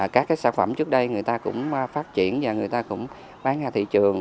các sản phẩm trước đây người ta cũng phát triển và người ta cũng bán ra thị trường